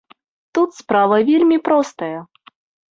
Тут справа вельмі простая.